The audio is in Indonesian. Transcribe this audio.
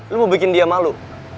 lo mau bikin dia malu